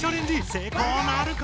成功なるか？